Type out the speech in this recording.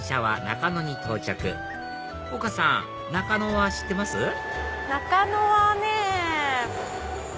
中野はね。